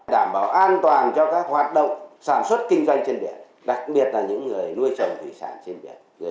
đảm bảo an toàn cho các hoạt động sản xuất kinh doanh trên biển đặc biệt là những người nuôi trồng thủy sản trên biển